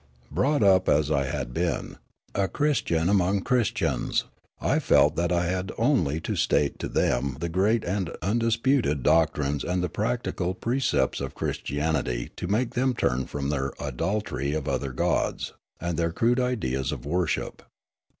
Brought up as I had been, a Christian amongst Christians, I felt that I had only to state to them the great and undisputed doctrines and the practical pre cepts of Christianity to make them turn from their idolatry of other gods, and their crude ideas of wor ship.